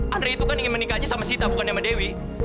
andre itu kan ingin menikahnya sama sita bukan sama dewi